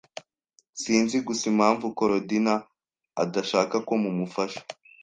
Sinzi gusa impamvu Korodina adashaka ko mumufasha.